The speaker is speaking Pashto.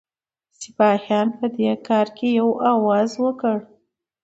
سپاهیان په دې کار کې یو آواز کړه.